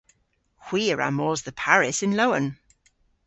Hwi a wra mos dhe Paris yn lowen!